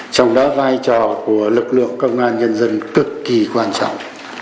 trong đó vai trò của lực lượng công an nhân dân cực kỳ quan trọng